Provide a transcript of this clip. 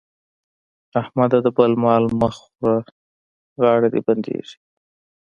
احمده! د بل مال مه خوره غاړه دې بندېږي.